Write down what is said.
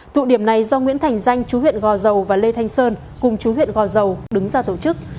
thụ điểm này do nguyễn thành danh chú huyện gò dầu và lê thanh sơn cùng chú huyện gò dầu đứng ra tổ chức